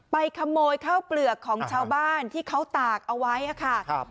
ขโมยข้าวเปลือกของชาวบ้านที่เขาตากเอาไว้ค่ะ